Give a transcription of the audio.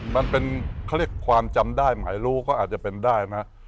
มันเป็นเขาเรียกความจำได้หมายรู้ก็อาจจะเป็นได้ไหม